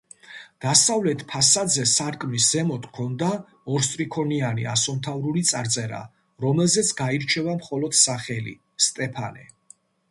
დასავლეთ ფასადზე სარკმლის ზემოთ ჰქონდა ორსტრიქონიანი ასომთავრული წარწერა რომელზეც გაირჩევა მხოლოდ სახელი სტეფანე.